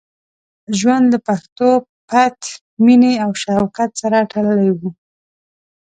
ژوند له پښتو، پت، مینې او شوکت سره تړلی وو.